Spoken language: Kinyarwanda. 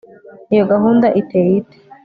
iyo gahunda iteye ite